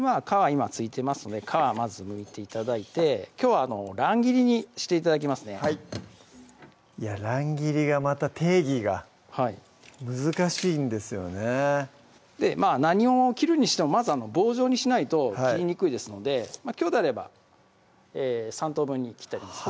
今付いてますので皮まずむいて頂いてきょう乱切りにして頂きますねはい乱切りがまた定義が難しいんですよね何を切るにしても棒状にしないと切りにくいですのできょうであれば３等分に切ってあります